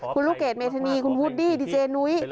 คุณลูกเกดเมธานีคุณวูดดี้ดีเจนุ้ย